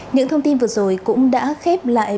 những thông tin vừa rồi cũng đã khép lại